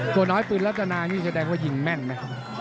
ตัวน้อยปืนรัตนานี่แสดงว่ายิงแม่นไหมครับ